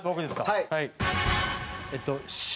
はい。